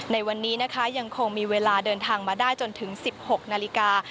ในวันนี้นะคะยังคงมีเวลาเดินทางมาได้จนถึง๑๖นาฬิกา